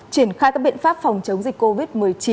triển khai các biện pháp phòng chống dịch covid một mươi chín